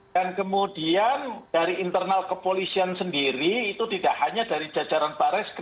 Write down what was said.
dan kemudian dari internal kepolisian sendiri itu tidak hanya dari jajaran barres